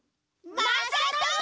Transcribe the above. まさとも！